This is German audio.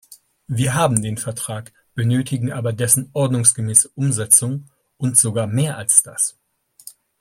Wir haben den Vertrag, benötigen aber dessen ordnungsgemäße Umsetzung und sogar mehr als das.